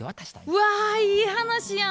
うわいい話やん！